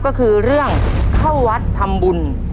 ก็คือเรื่องเข้าวัดทำบุญ